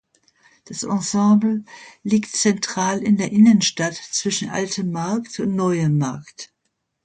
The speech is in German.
Das Ensemble liegt zentral in der Innenstadt zwischen Altem Markt und Neuem Markt.